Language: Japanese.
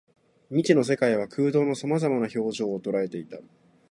未知の世界は空洞の様々な表情を捉えていた